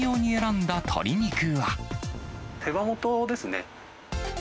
手羽元ですね。